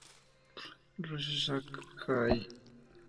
Ryusuke Sakai